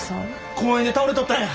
公園で倒れとったんや。